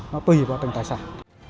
nó tùy vào tầng tài sản